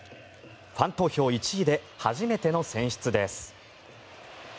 ファン投票１位で初めての選出です。